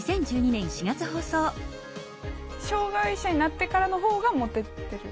障害者になってからの方がモテてる。